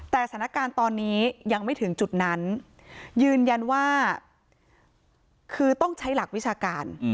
แต่สถานการณ์ตอนนี้ยังไม่ถึงจุดนั้นยืนยันว่าคือต้องใช้หลักวิชาการ